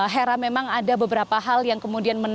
hera memang ada beberapa hal yang kemudian menarik